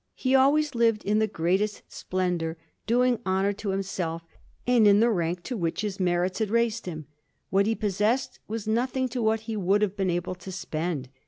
He always lived in the greatest splendour, doing honour to himself; and in the rank to which his merits had raised him, what he possessed was nothing to what he would have been able to spend.